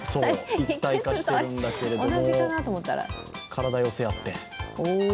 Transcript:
一体化しているんですけれども、体を寄せ合って。